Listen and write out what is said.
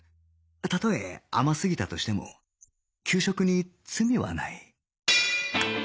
たとえ甘すぎたとしても給食に罪はない